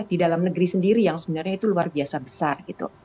di dalam negeri sendiri yang sebenarnya itu luar biasa besar gitu